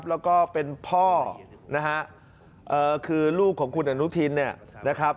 แล้วก็เป็นพ่อคือลูกของคุณอนุทิน